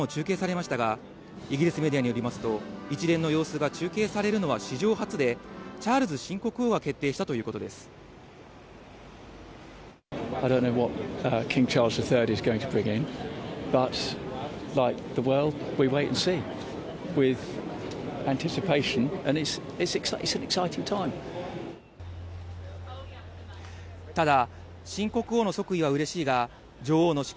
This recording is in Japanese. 評議会の様子はテレビでも中継されましたが、イギリスメディアによりますと、一連の様子が中継されるのは史上初で、チャールズ新国王が決定したということです。